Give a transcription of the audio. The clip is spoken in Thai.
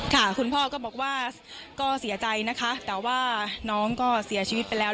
คุณพ่อก็บอกว่าก็เสียใจนะคะแต่ว่าน้องก็เสียชีวิตไปแล้ว